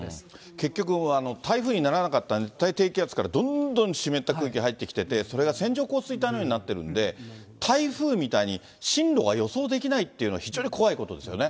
結局、台風にならなかった熱帯低気圧からどんどん湿った空気が入ってきてて、それが線状降水帯のようになってるんで、台風みたいに進路が予想できないっていうのは非常に怖いことですよね。